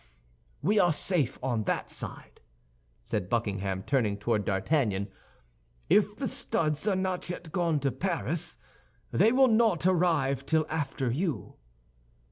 "We are safe on that side," said Buckingham, turning toward D'Artagnan. "If the studs are not yet gone to Paris, they will not arrive till after you."